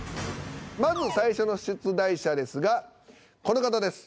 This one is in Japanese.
まず最初の出題者ですがこの方です。